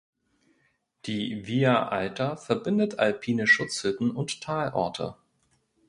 Die Via Alta verbindet alpine Schutzhütten und Talorte.